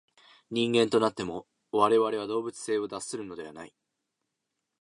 人間となっても、我々は動物性を脱するのではない。